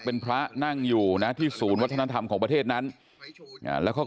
เป็นพระนั่งอยู่นะที่ศูนย์วัฒนธรรมของประเทศนั้นแล้วเขา